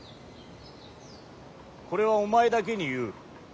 これはお前だけに言う。